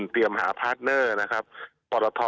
ก็ทำมาหาพาตเนอร์